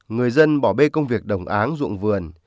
người dân bỏ bê công việc đồng áng ruộng vườn